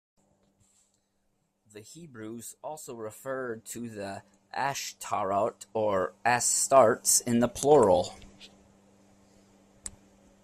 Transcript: The Hebrews also referred to the "Ashtarot" or "Astartes" in the plural.